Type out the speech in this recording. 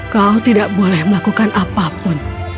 kau tidak boleh melakukan apapun